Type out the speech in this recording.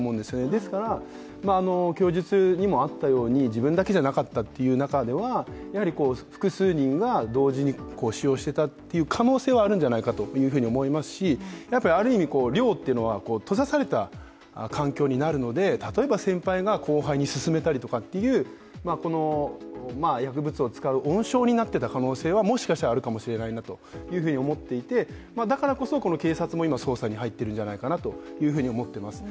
ですから、供述にもあったように自分だけじゃなかったという中では複数人が同時に使用していた可能性はあるんじゃないかと思いますし、ある意味、寮というのは閉ざされた環境になるので、例えば先輩が後輩に勧めたりとか薬物を使う温床になってた可能性はもしかしたらある気がしていてだからこそ、警察も今、捜査に入っているんじゃないかなと思っています。